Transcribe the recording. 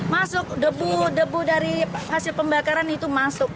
masuk debu debu dari hasil pembakaran itu masuk